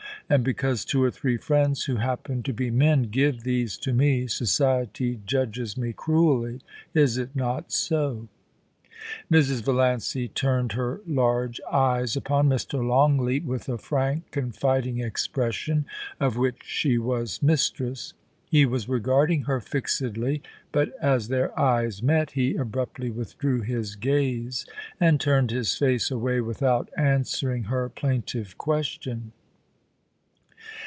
And because two or three friends who happen to be men give these to me, society judges me cruelly. Is it not so ?* Mrs. Valiancy turned her large eyes upon Mr. Longleat THE WEAVING OF THE SPELL, 31 with a frank, confiding expression of which she was mistress. He was regarding her fixedly, but as their eyes met, he abruptly withdrew his gaze ; and turned his face away with out answering her plaintive question.